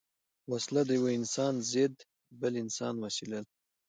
وسله د یو انسان ضد بل انسان وسيله ده